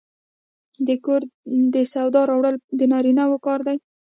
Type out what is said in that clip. د کور د سودا راوړل د نارینه کار دی.